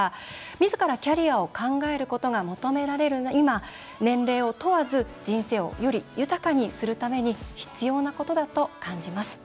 みずからキャリアを考えることが求められる今、年齢を問わず人生をより豊かにするために必要なことだと感じます。